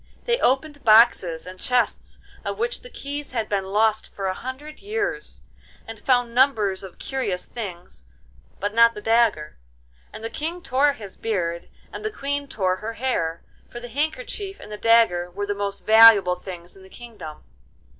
They opened boxes and chests of which the keys had been lost for a hundred years, and found numbers of curious things, but not the dagger, and the King tore his beard, and the Queen tore her hair, for the handkerchief and the dagger were the most valuable things in the kingdom.